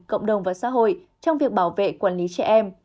cộng đồng và xã hội trong việc bảo vệ quản lý trẻ em